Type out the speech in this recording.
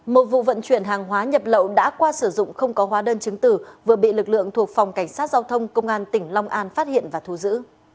một vụ vận chuyển hàng hóa nhập lậu đã qua sử dụng không có hóa đơn chứng tử vừa bị lực lượng thuộc phòng cảnh sát giao thông công an tỉnh long an phát hiện và thu giữ